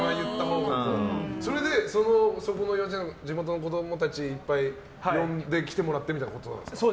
それでそこの幼稚園に地元の子供たちいっぱい呼んで来てもらってっていう感じですか。